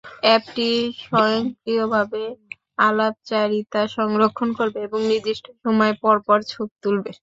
অ্যাপটি স্বয়ংক্রিয়ভাবে আলাপচারিতা সংরক্ষণ করবে এবং নির্দিষ্ট সময় পরপর ছবি তুলবে।